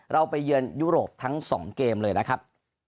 ไปเยือนยุโรปทั้ง๒เกมเลยนะครับ